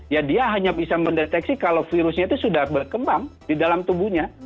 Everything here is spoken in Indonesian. ya dia hanya bisa mendeteksi kalau virusnya itu sudah berkembang di dalam tubuhnya